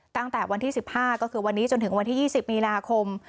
ตั้งแต่วันที่๑๕ก็คือวันนี้จนถึงวันที่๒๐มีนาคม